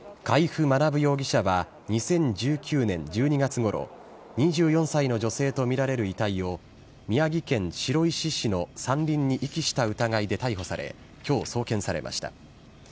海部学容疑者は２０１９年１２月ごろ、２４歳の女性と見られる遺体を、宮城県白石市の山林に遺棄した疑いで逮捕され、きょう送検されました。